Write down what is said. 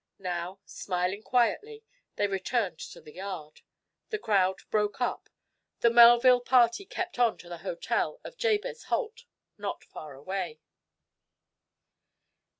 Now, smiling quietly, they returned to the yard. The crowd broke up. The Melville party kept on to the hotel of Jabez Holt not far away.